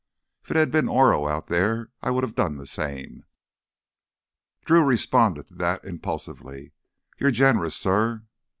If it had been Oro out there—I would have done the same." Drew responded to that impulsively. "You're generous, suh."